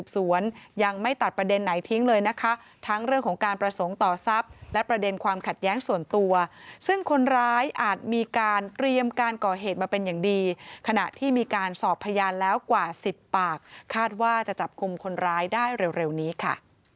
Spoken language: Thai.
สวนยังไม่ตัดประเด็นไหนทิ้งเลยนะคะทั้งเรื่องของการประสงค์ต่อทรัพย์และประเด็นความขัดแย้งส่วนตัวซึ่งคนร้ายอาจมีการเตรียมการก่อเหตุมาเป็นอย่างดีขณะที่มีการสอบพยานแล้วกว่า๑๐ปากคาดว่าจะจับกลุ่มคนร้ายได้เร็วนี้ค่ะ